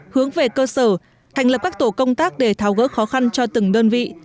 hướng về cơ sở thành lập các tổ công tác để tháo gỡ khó khăn cho từng đơn vị